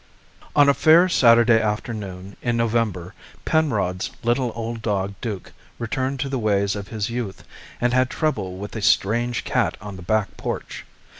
GIPSY On a fair Saturday afternoon in November Penrod's little old dog Duke returned to the ways of his youth and had trouble with a strange cat on the back porch.